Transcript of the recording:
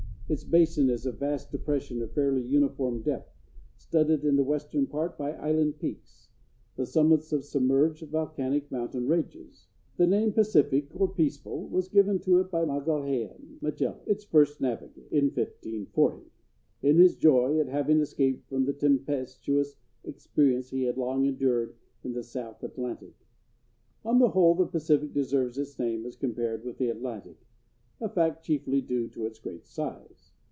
Its basin is a vast depression of fairly uniform depth, studded in the western part by island peaks,—the summits of submerged volcanic mountain ranges. The name "Pacific," or "Peaceful," was given to it by Magalhaens (Magellan), its first navigator, in 1540 (see Chapter IV), in his joy at having escaped from the tempestuous experience he had long endured in the South Atlantic. On the whole the Pacific deserves its name as compared with the Atlantic—a fact chiefly due to its great size.